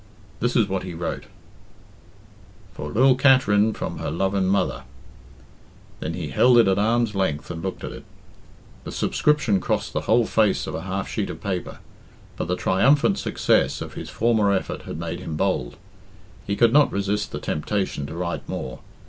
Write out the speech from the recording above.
This is what he wrote "For lil Katerin from her Luvin mother" Then he held it at arm's length and looked at it. The subscription crossed the whole face of a half sheet of paper. But the triumphant success of his former effort had made him bold. He could not resist the temptation to write more.